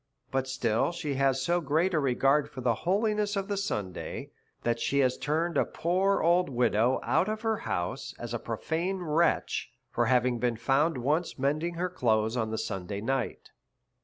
But still she has so great a f3 70 A SERIOUS CALL TO A regard for the holiness of the Sunday, that she has turn ed a poor old wido^v out of her house, as a profane wretch, for having been found once mending her clothes on the Sunday night.